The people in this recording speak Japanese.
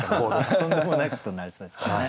とんでもないことになりそうですけどね。